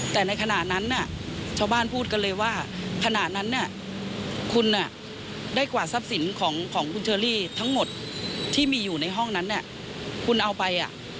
แต่ในขณะนั้นชาวบ้านพูดกันเลยว่าขณะนั้นคุณได้กวาดทรัพย์สินของคุณเชอรี่ทั้งหมดที่มีอยู่ในห้องนั้นคุณเอาไป